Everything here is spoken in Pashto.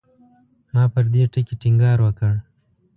ما پر دې ټکي ټینګار وکړ.